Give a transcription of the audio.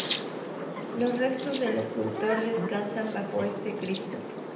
Los restos del escultor descansan bajo este Cristo.